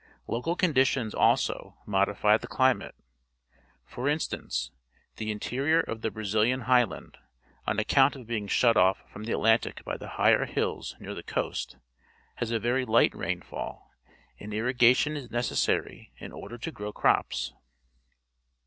Local conditions, also, modi fy the cUmate. For instance, the interior of the Brazihan Highland, on account of being shut off from the Atlantic by the higher liills near the coast, has a very light rainfall, and irrigation is necessary in order to grow crops.